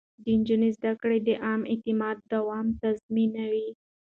د نجونو زده کړه د عامه اعتماد دوام تضمينوي.